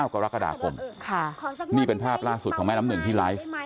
กรกฎาคมนี่เป็นภาพล่าสุดของแม่น้ำหนึ่งที่ไลฟ์